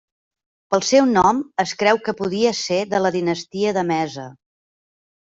Pel seu nom es creu que podia ser de la dinastia d'Emesa.